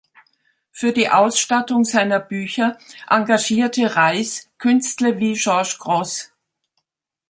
Für die Ausstattung seiner Bücher engagierte Reiß Künstler wie George Grosz.